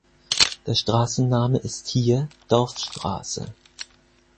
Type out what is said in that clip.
Der Straßenname ist hier "Dorfstraße".